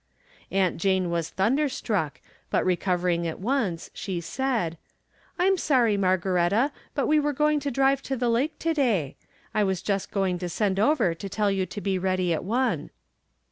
Aunt Jane was thunder struck, but recoveruig at once she said: " I'm sorry, Margaretta, but we were going to drive to the lake, to day. I was jiist going to send over to teU you to be ready at one."